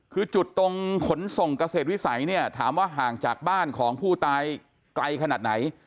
คือจุดตรงขนส่งเกษตรวิสัยเนี่ยถามว่าห่างจากบ้านของผู้ตายไกลขนาดไหน